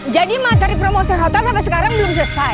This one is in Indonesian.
jadi mah dari promosi hotel sampai sekarang belum selesai